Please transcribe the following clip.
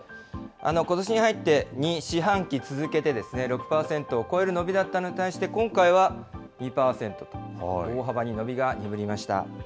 ことしに入って２四半期続けて６％を超える伸びだったのに対して、今回は２％、大幅に伸びが鈍りました。